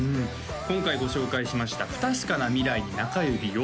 今回ご紹介しました「不確かな未来に中指を」